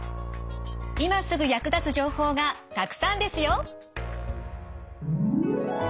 今すぐ役立つ情報がたくさんですよ。